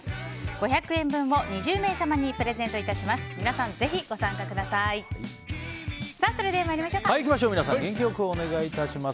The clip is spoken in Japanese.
５００円分を２０名様にプレゼントいたします。